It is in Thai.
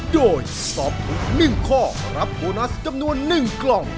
โดยตอบถูก๑ข้อรับโบนัสจำนวน๑กล่อง